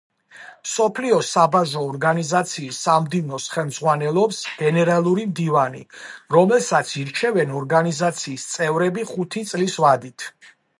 მსოფლიო საბაჟო ორგანიზაციის სამდივნოს ხელმძღვანელობს გენერალური მდივანი, რომელსაც ირჩევენ ორგანიზაციის წევრები ხუთი წლის ვადით.